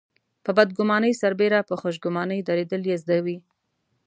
په بدګماني سربېره په خوشګماني درېدل يې زده وي.